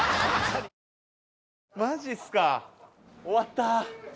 終わった。